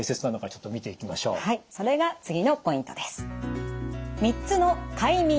それが次のポイントです。